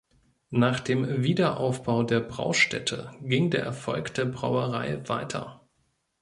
Nach dem Wiederaufbau der Braustätte ging der Erfolg der Brauerei weiter.